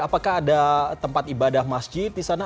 apakah ada tempat ibadah masjid disana